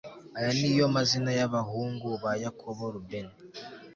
aya ni yo mazina y abahungu ba yakobo rubeni